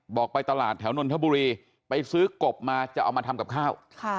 ไปตลาดแถวนนทบุรีไปซื้อกบมาจะเอามาทำกับข้าว